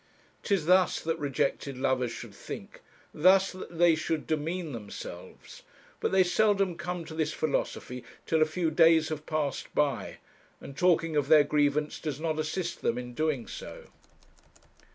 'Tis thus that rejected lovers should think, thus that they should demean themselves; but they seldom come to this philosophy till a few days have passed by, and talking of their grievance does not assist them in doing so.